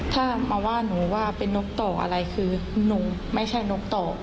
ถ้ามาว่าหนูว่าเป็นนกต่ออะไรคือหนูไม่ใช่นกต่อ